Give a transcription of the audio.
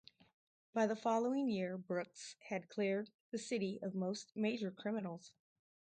By the following year Brooks had cleared the city of most major criminals.